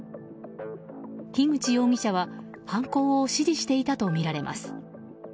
樋口容疑者は犯行を指示していたとみられます。